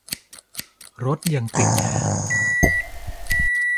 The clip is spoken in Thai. รถยังติดแฮะ